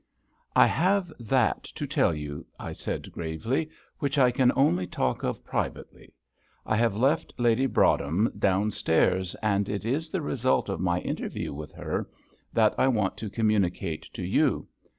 "I have that to tell you," I said, gravely, "which I can only talk of privately. I have left Lady Broadhem down stairs, and it is the result of my interview with her that I want to communicate to you.